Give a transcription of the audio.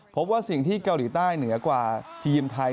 พบว่าสิ่งที่เกาหลีใต้เหนือกว่าทีมไทย